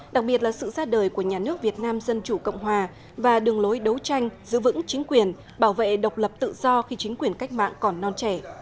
đặc biệt là sự ra đời của nhà nước việt nam dân chủ cộng hòa và đường lối đấu tranh giữ vững chính quyền bảo vệ độc lập tự do khi chính quyền cách mạng còn non trẻ